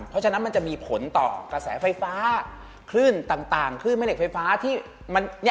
เพราะฉะนั้นมันจะมีผลต่อกระแสไฟฟ้าคลื่นต่างคลื่นแม่เหล็กไฟฟ้าที่มัน